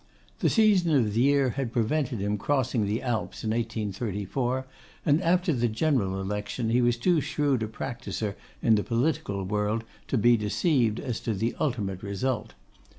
The season of the year had prevented him crossing the Alps in 1834, and after the general election he was too shrewd a practiser in the political world to be deceived as to the ultimate result.